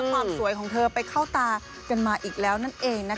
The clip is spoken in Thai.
ความสวยของเธอไปเข้าตากันมาอีกแล้วนั่นเองนะคะ